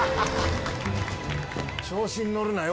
調子に乗るなよ